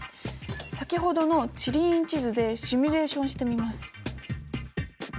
先ほどの地理院地図でシミュレーションしてみます。